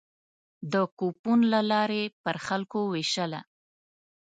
د کوپون له لارې پر خلکو وېشله.